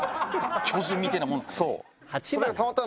巨人みてえなもんですからね。